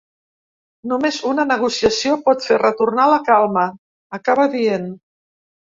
Només una negociació pot fer retornar la calma, acaba dient.